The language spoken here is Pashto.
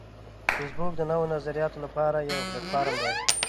فېسبوک د نوو نظریاتو لپاره یو پلیټ فارم دی